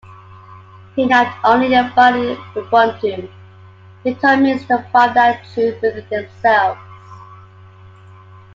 He not only embodied Ubuntu, he taught millions to find that truth within themselves.